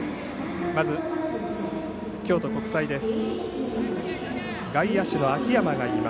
まず京都国際です。